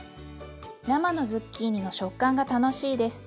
生のズッキーニの食感が楽しいです。